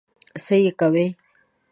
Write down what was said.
څه یې کوې؟